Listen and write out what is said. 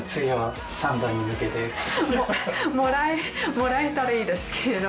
もらえたらいいですけど。